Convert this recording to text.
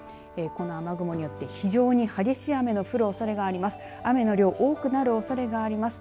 この雨雲によって非常に激しい雨の降るおそれがあります。